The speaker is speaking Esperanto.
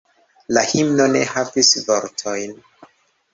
La himno ne havis vortojn.